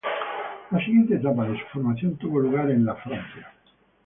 La siguiente etapa de su formación tuvo lugar en Francia.